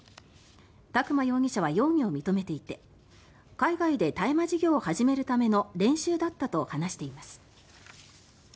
宅間容疑者は容疑を認めていて海外で大麻事業を始めるための練習だったと話しています。